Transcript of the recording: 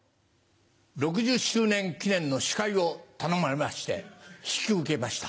６０周年記念の司会を頼まれまして引き受けました。